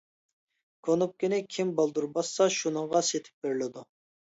كۇنۇپكىنى كىم بالدۇر باسسا، شۇنىڭغا سېتىپ بېرىلىدۇ.